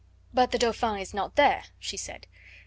"But the Dauphin is not there?" she said.